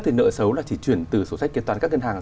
thì nợ xấu là chỉ chuyển từ sổ sách kế toán các ngân hàng